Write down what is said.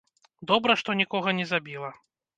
Добра, што нікога не забіла!